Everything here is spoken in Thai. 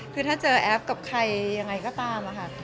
คือถ้าเจอแอฟกับใครยังไงก็ตามอะค่ะ